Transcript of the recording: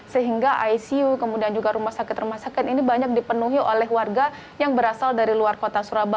sehingga icu kemudian juga rumah sakit rumah sakit ini banyak dipenuhi oleh warga yang berasal dari luar kota surabaya